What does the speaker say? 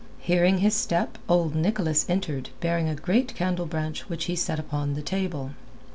Hearing his step, old Nicholas entered bearing a great candle branch which he set upon the table.